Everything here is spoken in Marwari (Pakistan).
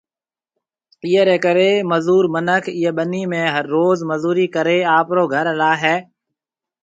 ايئيَ رَي ڪرَي مزور مِنک ايئيَ ٻنِي ۾ ھر روز مزوري ڪرَي آپرو گھر ھلائيَ ھيََََ